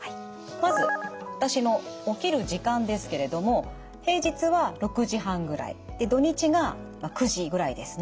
まず私の起きる時間ですけれども平日は６時半ぐらいで土日が９時ぐらいですね。